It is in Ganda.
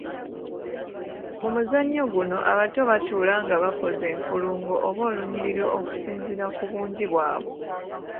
Mu muzannyo guno, abato batuula nga bakoze enkulungo oba olunyiriri okusinziira ku bungi bwabwe.